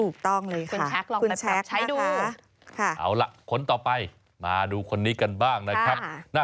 ก็จะเหมาะกับอาชีพค่ะ